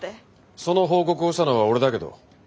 その報告をしたのは俺だけど。